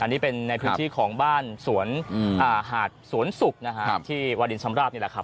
อันนี้เป็นในพื้นที่ของบ้านสวนหาดสวนศุกร์นะฮะที่วาดินชำราบนี่แหละครับ